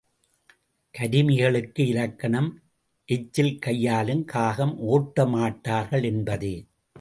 கருமிகளுக்கு இலக்கணம் எச்சில் கையாலுங் காகம் ஒட்ட மாட்டார்கள் என்பதே.